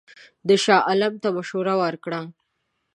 ده شاه عالم ته مشوره ورکړه.